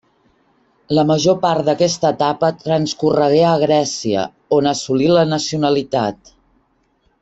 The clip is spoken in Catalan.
La major part d'aquesta etapa transcorregué a Grècia, on assolí la nacionalitat.